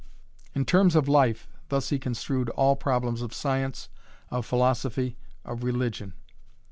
"In terms of life," thus he construed all problems of Science, of Philosophy, of Religion.